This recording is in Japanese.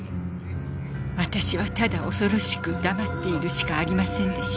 私はただ恐ろしく黙っているしかありませんでした。